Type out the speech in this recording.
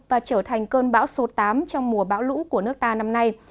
và trở thành cơn bão số tám trong mùa bão lũ của nước ta năm nay